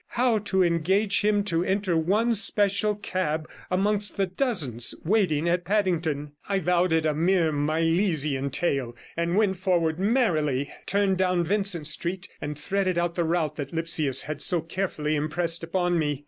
How to engage him to enter one special cab amongst the dozens waiting at Paddington? I vowed it a mere Milesian tale, and went forward merrily, turned down Vincent Street, and threaded out the route that Lipsius had so carefully impressed upon me.